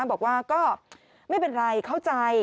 บอกว่าก็ไม่เป็นไรเข้าใจ